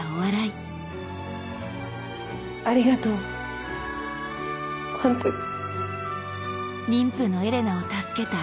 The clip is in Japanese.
ありがとうホントに。